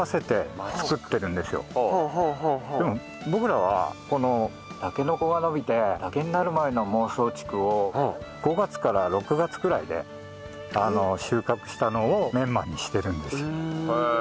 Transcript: でも僕らはこのたけのこが伸びて竹になる前の「孟宗竹」を５月から６月くらいで収穫したのをメンマにしているんです。